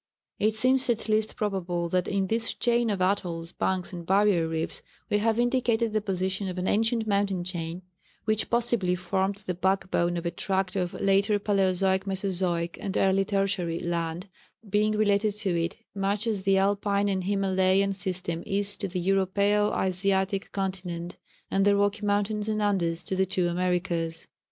It seems at least probable that in this chain of atolls, banks, and barrier reefs we have indicated the position of an ancient mountain chain, which possibly formed the back bone of a tract of later Palæozoic, Mesozoic, and early Tertiary land, being related to it much as the Alpine and Himálayan system is to the Europæo Asiatic continent, and the Rocky Mountains and Andes to the two Americas.